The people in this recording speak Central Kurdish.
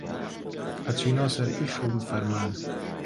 ئەچینۆ سەر ئیش و فرمان